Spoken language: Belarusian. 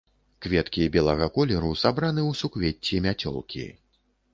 Кветкі белага колеру сабраны ў суквецці-мяцёлкі.